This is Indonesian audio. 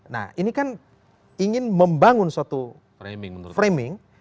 nah ini kan ingin membangun suatu framing